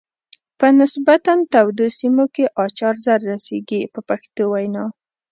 په نسبتا تودو سیمو کې اچار زر رسیږي په پښتو وینا.